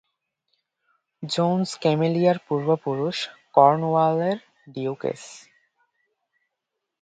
Jones ক্যামিলার পূর্বপুরুষ, কর্নওয়ালের ডিউকেস।